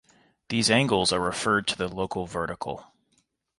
These angles are referred to the local vertical.